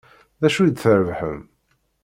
D acu i d-trebḥem?